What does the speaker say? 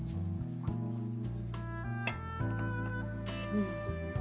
うん。